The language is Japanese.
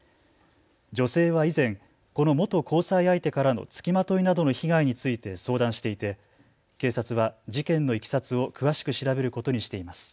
女性は以前、この元交際相手からのつきまといなどの被害について相談していて警察は事件のいきさつを詳しく調べることにしています。